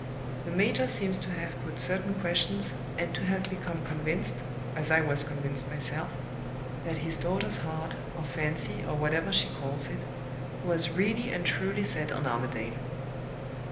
the major seems to have put certain questions, and to have become convinced (as I was convinced myself) that his daughter's heart, or fancy, or whatever she calls it, was really and truly set on Armadale.